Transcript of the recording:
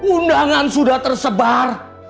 undangan sudah tersebar